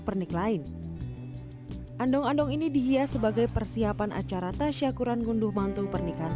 pernik lain andong andong ini dihias sebagai persiapan acara tasya kuran gunduh mantu pernikahan